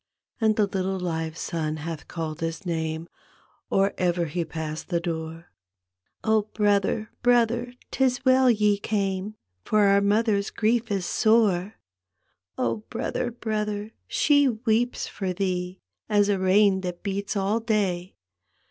And the little live son hath called his name Or ever he passed the door, " Oh, brother, hrother, 'tis well ye came. For OUT mother's grief is soret D,gt,, erihyGOOglC The Little Dead Child 25 "Oh, brother, brother, she weeps for thee As a rain that beats all day.